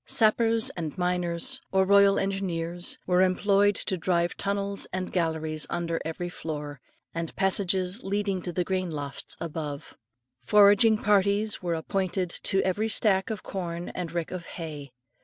Sappers and miners, or royal engineers, were employed to drive tunnels and galleries under every floor, with passages leading to the grain lofts above. Foraging parties were appointed to every stack of corn and rick of hay.